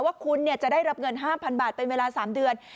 ว่าคุณจะได้รับเงิน๕๐๐บาทเป็นเวลา๓เดือน